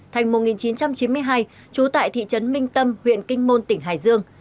thành một nghìn chín trăm chín mươi hai trú tại thị trấn minh tâm huyện kinh môn tỉnh hải dương